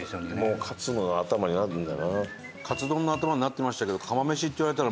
もうカツの頭になるんだよな。